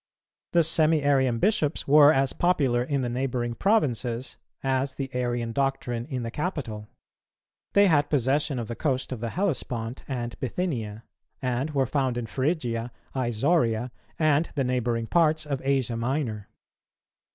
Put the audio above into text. The Semi arian bishops were as popular in the neighbouring provinces, as the Arian doctrine in the capital. They had possession of the coast of the Hellespont and Bithynia; and were found in Phrygia, Isauria, and the neighbouring parts of Asia Minor.